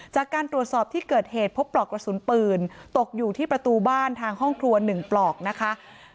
จากการตรวจสอบที่เกิดเหตุพบปลอกกระสุนปืนตกอยู่ที่ประตูบ้านทางห้องครัว๑ปลอกนะคะ